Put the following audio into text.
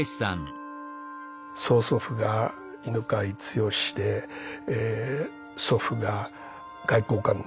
曽祖父が犬養毅で祖父が外交官の芳澤謙吉。